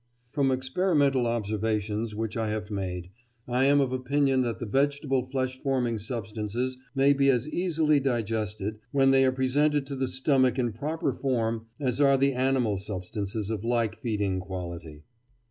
"From experimental observations which I have made, I am of opinion that the vegetable flesh forming substances may be as easily digested, when they are presented to the stomach in proper form, as are the animal substances of like feeding quality."